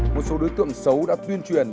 một số đối tượng xấu đã tuyên truyền